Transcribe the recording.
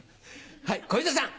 はい小遊三さん！